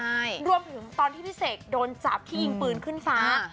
ใช่รวมถึงตอนที่พี่เสกโดนจับที่ยิงปืนขึ้นฟ้า